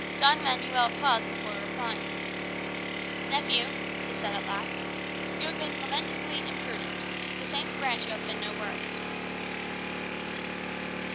Don Manuel paused before replying. "Nephew," he said at length, "you have been lamentably imprudent. The saints grant you have been no worse."